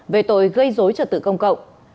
về tội gây dối trật tự công cộng